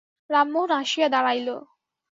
রামমোহন আসিয়া দাঁড়াইল।